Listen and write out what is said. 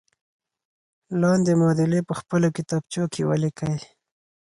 لاندې معادلې په خپلو کتابچو کې ولیکئ.